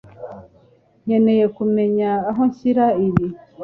Nkeneye kumenya aho nshyira ibi.